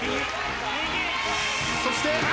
そして。